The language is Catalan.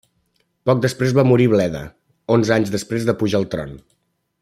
Poc després va morir Bleda, onze anys després de pujar al tron.